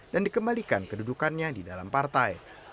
dan dikembalikan kedudukannya di dalam partai